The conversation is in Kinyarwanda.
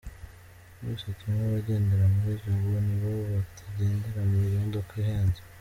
Byose kimwe.abagendera muri Jaguar nibo batagendera mu modoka ihenze?